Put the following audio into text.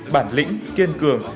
bản lĩnh kiên cường